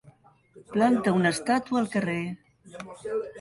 Planta una estàtua al carrer.